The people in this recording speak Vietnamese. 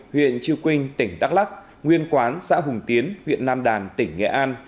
huyện triều quynh tỉnh đắk lắk nguyên quán xã hùng tiến huyện nam đàn tỉnh nghệ an